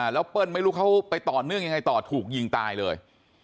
แล้วเปิ้ลไม่รู้เขาไปต่อเนื่องยังไงต่อถูกยิงตายเลย